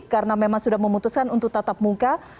karena memang sudah memutuskan untuk tata muka